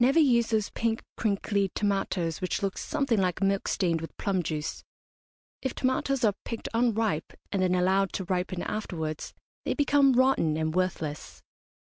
Never use those pink, crinkly tomatoes which look something like milk stained with plum juice. If tomatoes are picked unripe, and then allowed to ripen afterwards, they become rotten and worthless.